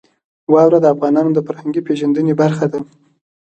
واوره د افغانانو د فرهنګي پیژندنې برخه ده.